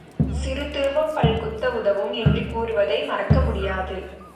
சிறு துரும்பும் பல் குத்த உதவும் என்று கூறுவதை மறக்க முடியாது.